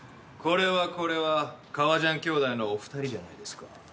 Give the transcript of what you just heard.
これはこれは革ジャン兄弟のお二人じゃないですか。